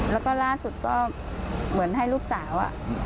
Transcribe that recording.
แล้วก็ล่าสุดก็เหมือนให้ลูกสาว